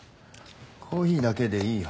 コーヒーだけでいいよ。